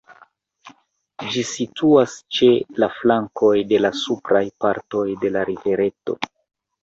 Ĝi situas ĉe la flankoj de la supraj partoj de la rivereto.